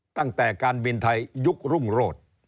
ตั้งแต่การบินไทยยุครุ่งโรธ